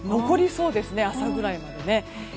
残りそうですね朝ぐらいまでね。